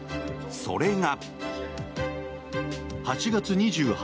それが。